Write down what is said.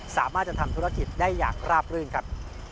สามารถจะทำธุรกิจได้อย่างราบรื่นครับ